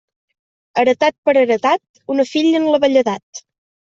Heretat per heretat, una filla en la velledat.